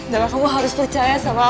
dan kamu harus percaya sama aku